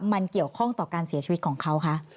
มันเกี่ยวข้องต่อการเสียชีวิตของเขาคะ